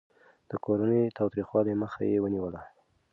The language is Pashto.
د کورني تاوتريخوالي مخه يې نيوله.